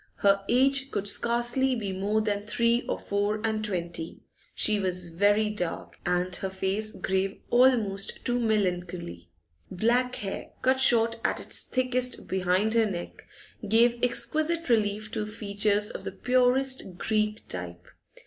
Her age could scarcely be more than three or four and twenty; she was very dark, and her face grave almost to melancholy. Black hair, cut short at its thickest behind her neck, gave exquisite relief to features of the purest Greek type.